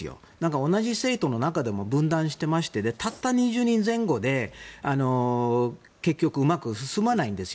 同じ政党の中でも分断していましてたった２０人前後で結局、うまく進まないんですよ。